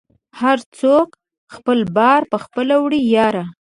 هر څوک خپل بار په خپله وړی یاره